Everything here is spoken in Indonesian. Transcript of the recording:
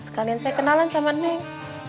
sekalian saya kenalan sama ning